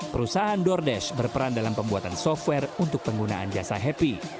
perusahaan doordesh berperan dalam pembuatan software untuk penggunaan jasa happy